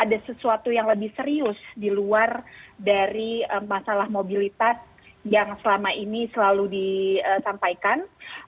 ada sesuatu yang lebih serius di luar dari masalah mobilitas yang selama ini selalu disampaikan